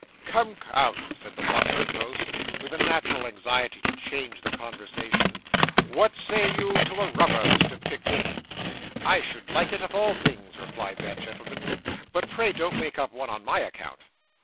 'Come, come,' said the bustling host, with a natural anxiety to change the conversation, 'what say you to a rubber, Mr. Pickwick?' 'I should like it of all things,' replied that gentleman; 'but pray don't make up one on my account.